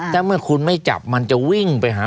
ถ้าเมื่อคุณไม่จับมันจะวิ่งไปหา